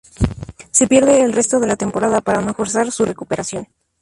Se pierde el resto de la temporada para no forzar su recuperación.